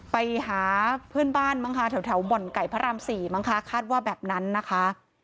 ไปหาเพื่อนบ้านบ่อนไก่พระราม๔มั้งค่ะคาดว่าแบบนั้นนะคะ